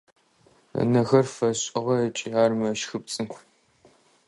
Ынэхэр фэшӏыгъэ ыкӏи ар мэщхыпцӏы.